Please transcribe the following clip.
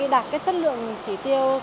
đạt chất lượng chỉ tiêu